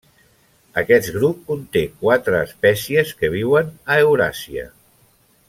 Aquest grup conté quatre espècies que viuen a Euràsia.